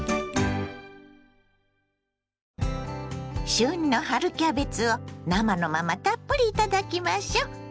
旬の春キャベツを生のままたっぷりいただきましょ。